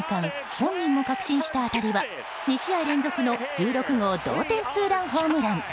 本人も確信した当たりは２試合連続の１６号同点ツーランホームラン。